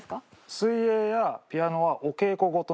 水泳やピアノはお稽古事なのよ。